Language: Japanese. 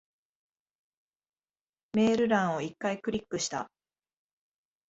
メール欄を一回クリックした。